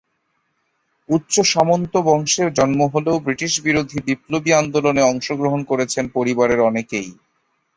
উচ্চ সামন্ত বংশে জন্ম হলেও ব্রিটিশবিরোধী বিপ্লবী আন্দোলনে অংশগ্রহণ করেছেন পরিবারের অনেকেই।